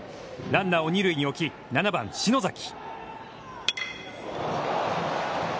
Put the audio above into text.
ランナーを二塁に置き、７番篠崎。